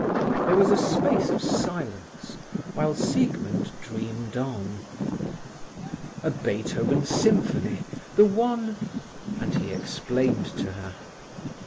There was a space of silence, while Siegmund dreamed on. "A Beethoven symphony—the one—" and he explained to her.